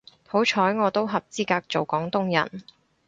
好彩我都合資格做廣東人